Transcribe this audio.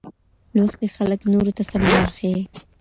لوستي خلګ نورو ته سمه لار ښيي.